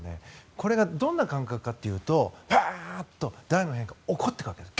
これがどんな感覚かというとワーッと大脳辺縁系が怒っていくわけです。